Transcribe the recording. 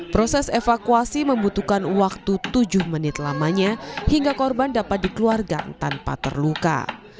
proses evakuasi membutuhkan waktu tujuh menit lamanya hingga korban dapat dikeluarkan tanpa terluka